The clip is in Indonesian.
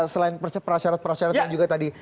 selain prasyarat prasyarat yang juga tadi